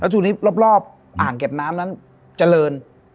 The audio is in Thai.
เราทุกวันนี้รอบอ่างแก่บน้ำนั้นเจริญ